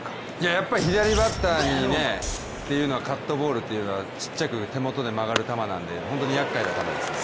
やっぱり左バッターというのはカットボールというのはちっちゃく手元で曲がる球なので、本当にやっかいな球です。